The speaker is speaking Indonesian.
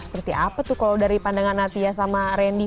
seperti apa tuh kalau dari pandangan natia sama randy